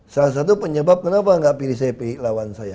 salah satu penyebab kenapa nggak pilih saya pilih lawan saya